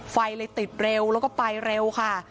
ไฟเลยติดเร็วแล้วก็ไปเร็วค่ะ